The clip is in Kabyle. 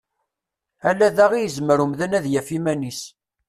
Ala da i yezmer umdan ad yef iman-is.